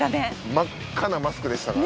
真っ赤なマスクでしたから。